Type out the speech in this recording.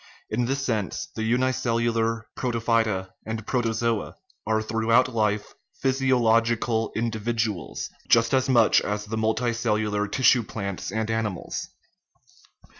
In this sense the unicellular protophyta and protozoa are throughout life physiological individuals, just as much as the multicellular tissue plants and animals.